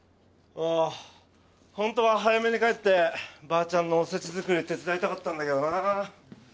あぁホントは早めに帰ってばあちゃんのおせち作り手伝いたかったんだけどな。